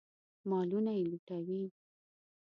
مالونه یې لوټوي.